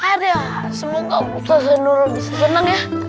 aduh semoga buka senuruh bisa tenang ya